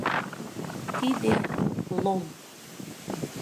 Тиде — Лом.